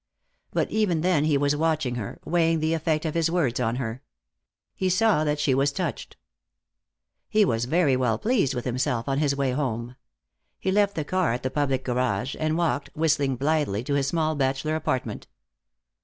But even then he was watching her, weighing the effect of his words on her. He saw that she was touched. He was very well pleased with himself on his way home. He left the car at the public garage, and walked, whistling blithely, to his small bachelor apartment.